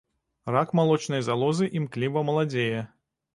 Рак малочнай залозы імкліва маладзее.